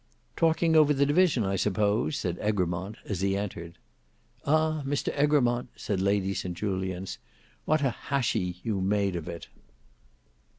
"Talking over the division I suppose," said Egremont as he entered. "Ah! Mr Egremont," said Lady St Julians. "What a hachis you made of it."